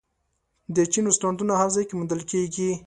د چین رستورانتونه هر ځای کې موندل کېږي.